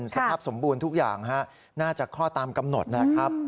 สภาพสมบูรณ์ทุกอย่างน่าจะคลอดตามกำหนดนะครับ